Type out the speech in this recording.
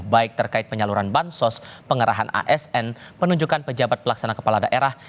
baik terkait penyaluran bansos pengarahan asn penunjukkan pejabat pelaksanaan kepala daerah